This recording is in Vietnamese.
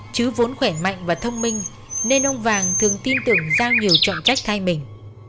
chứ vốn khỏe mạnh và thông minh nên ông vàng thường tin tưởng giao nhiều trọng trách thay mình